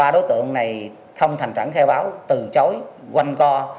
ba đối tượng này không thành chẳng khai báo từ chối quanh co